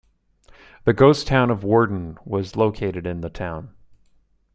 The ghost town of Worden was located in the town.